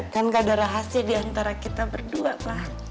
kan gak ada rahasia diantara kita berdua pak